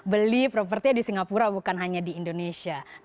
beli propertinya di singapura bukan hanya di indonesia